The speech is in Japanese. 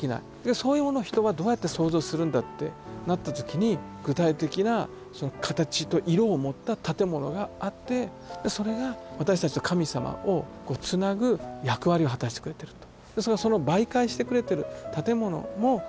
そういうものを人はどうやって想像するんだってなった時に具体的なその形と色を持った建物があってそれが私たちと神様をこうつなぐ役割を果たしてくれてると。